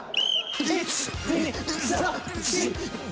１２３４５。